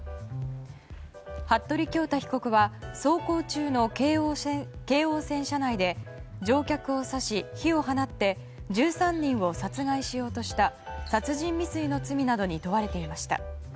服部恭太被告は走行中の京王線車内で乗客を刺し、火を放って１３人を殺害しようとした殺人未遂の罪などに問われていました。